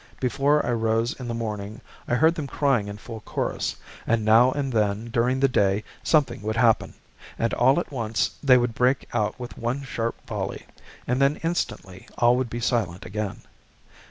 Before I rose in the morning I heard them crying in full chorus; and now and then during the day something would happen, and all at once they would break out with one sharp volley, and then instantly all would be silent again.